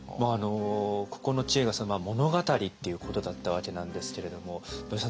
ここの知恵が「物語」っていうことだったわけなんですけれども土井さん